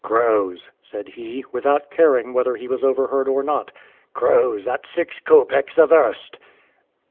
"Crows," said he, without caring whether he was overheard or not; "crows, at six copecks a verst!"